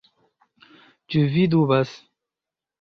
Ĉu vi dubas?